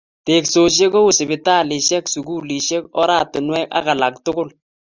Teksosiek kou, sipitalishek, sululishek, oratinwek ak alak tukul